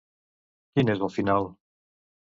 Quin és el final?